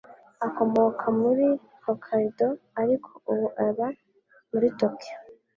Akomoka muri Hokkaido, ariko ubu aba muri Tokiyo.